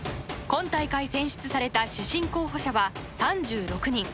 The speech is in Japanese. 今大会、選出された主審候補者は３６人。